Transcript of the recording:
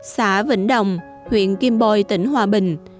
xã vĩnh đồng huyện kim bôi tỉnh hòa bình